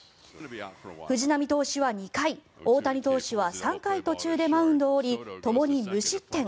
藤浪投手は２回大谷投手は３回途中でマウンドを降りともに無失点。